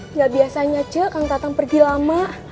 enggak biasanya ce kang tatang pergi lama